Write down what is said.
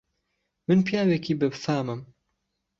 من پیاوێکی به فامم